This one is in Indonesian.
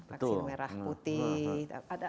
vaksin merah putih